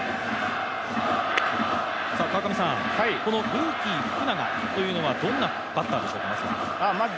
このルーキー、福永というのはどんなバッターでしょうか、まずは。